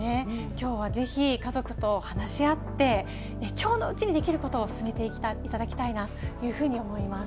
きょうはぜひ、家族と話し合って、きょうのうちにできることを進めていただきたいなというふうに思います。